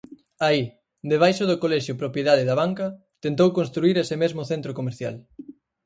Aí, debaixo do colexio propiedade de Abanca, tentou construír ese mesmo centro comercial.